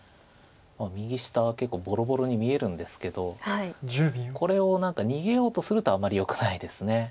右下は結構ぼろぼろに見えるんですけどこれを何か逃げようとするとあまりよくないです。